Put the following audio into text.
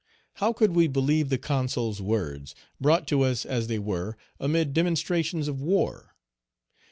How could we believe the Consul's words, brought to us as they were amid demonstrations of war?